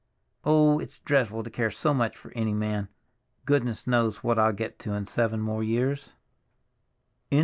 "Oh, it's dreadful to care so much for any man! Goodness knows what I'll get to in seven years more!"